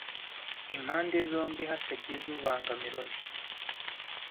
i mpande zombi hatagize ubangamira undi